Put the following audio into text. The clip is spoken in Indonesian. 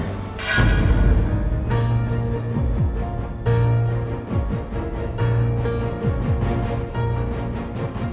aku mau bantu